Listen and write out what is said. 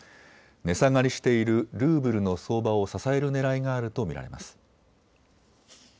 値下がりしているルーブルの相場を支えるねらいがあると見られます。